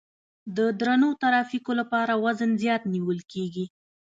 د درنو ترافیکو لپاره وزن زیات نیول کیږي